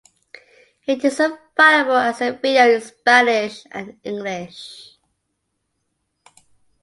It is available as a video in Spanish and English.